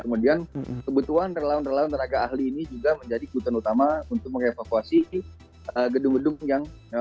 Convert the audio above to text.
kemudian kebutuhan relawan relawan tenaga ahli ini juga menjadi kebutuhan utama untuk mengevakuasi gedung gedung yang